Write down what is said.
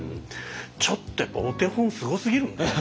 ちょっとやっぱお手本すごすぎるんで。